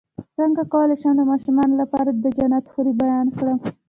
څنګه کولی شم د ماشومانو لپاره د جنت حورې بیان کړم